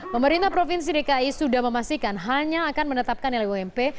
pemerintah provinsi dki sudah memastikan hanya akan menetapkan nilai ump